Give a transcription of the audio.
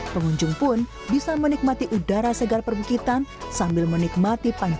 pengunjung pun bisa menikmati udara segar perbukitan sambil menikmati panjang